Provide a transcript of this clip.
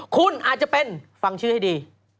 คุณอาจจะเป็นฟังชื่อให้ดี